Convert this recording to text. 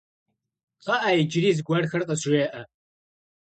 Kxhı'e, yicıri zıguerxer khızjjê'e.